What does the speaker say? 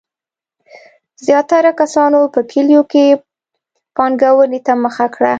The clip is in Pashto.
زیاتره کسانو په کلیو کې پانګونې ته مخه کړه.